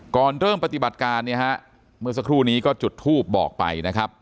เริ่มปฏิบัติการเนี่ยฮะเมื่อสักครู่นี้ก็จุดทูบบอกไปนะครับ